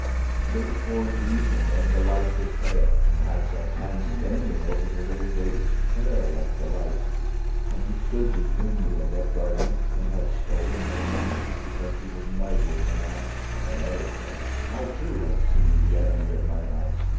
And it was towards evening and the light was pale, and I saw Time standing over the little gate, pale like the light, and he stood between me and that garden and had stolen my memories because he was mightier than I." And another said: "I, too, have seen the Enemy of my House.